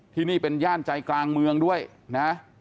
ที่นี่เป็นย่านใจกลางเมืองด้วยนะ